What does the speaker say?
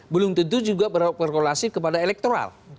belum tentu juga berkorelasi kepada elektoral